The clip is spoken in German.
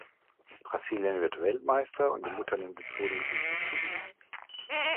Brasilien wird Weltmeister, und die Mutter nimmt den Sohn mit ins Exil.